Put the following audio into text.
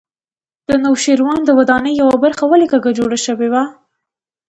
د نوشیروان د ودانۍ یوه برخه ولې کږه جوړه شوې وه.